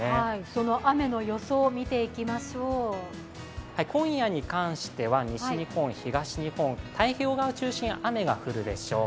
その雨の予想、見ていきましょう今夜に関しては西日本、東日本太平洋側を中心に雨が降るでしょう。